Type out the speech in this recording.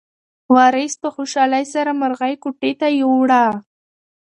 وارث په خوشحالۍ سره مرغۍ کوټې ته یووړه.